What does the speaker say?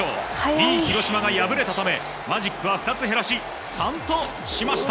２位広島が敗れたため、マジックは２つ減らし３としました。